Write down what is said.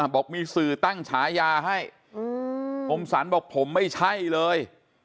บอกมีสื่อตั้งฉายาให้พรมสรรบอกผมไม่ใช่เลย